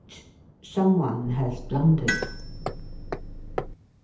SOMEONE HAS BLUNDERED.